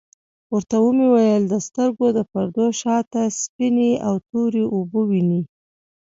ورته ومي ویل د سترګو د پردو شاته سپیني او توری اوبه وینې ؟